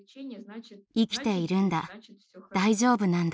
生きているんだ大丈夫なんだと。